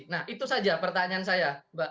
nah itu saja pertanyaan saya